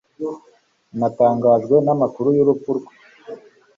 Natangajwe n'amakuru y'urupfu rwe.